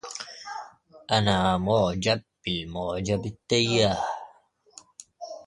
أنا معجب بالمعجب التياه